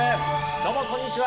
どうもこんにちは。